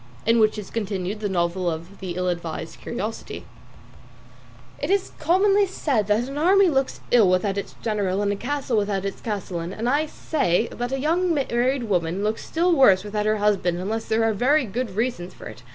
IN WHICH IS CONTINUED THE NOVEL OF "THE ILL ADVISED CURIOSITY" "It is commonly said that an army looks ill without its general and a castle without its castellan, and I say that a young married woman looks still worse without her husband unless there are very good reasons for it.